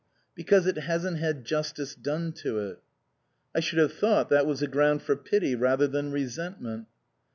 " Because it hasn't had justice done to it." "I should have thought that was a ground for pity rather than resentment."